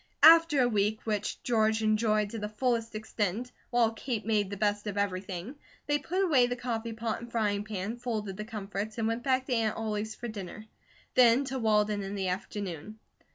After a week, which George enjoyed to the fullest extent, while Kate made the best of everything, they put away the coffee pot and frying pan, folded the comforts, and went back to Aunt Ollie's for dinner; then to Walden in the afternoon.